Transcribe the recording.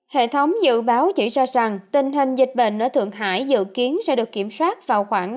hệ thống dự báo chỉ ra rằng tình hình dịch bệnh ở thượng hải dự kiến sẽ được kiểm soát vào khoảng